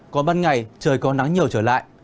còn ban ngày trời còn nắng nhiều trở lại